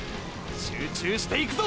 集中していくぞ！！